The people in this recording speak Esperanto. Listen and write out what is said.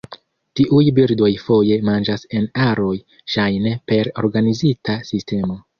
Tiuj birdoj foje manĝas en aroj, ŝajne per organizita sistemo.